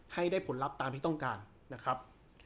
ให้ได้ผลลัพธ์ตามที่ต้องการนะครับ